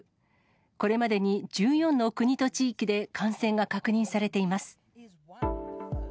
これまでに１４の国と地域で感染が確認されています。